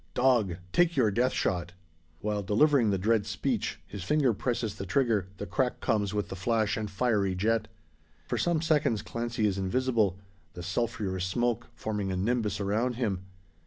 Dog! take your death shot!" While delivering the dread speech, his finger presses the trigger; the crack comes, with the flash and fiery jet. For some seconds Clancy is invisible, the sulphurous smoke forming a nimbus around him.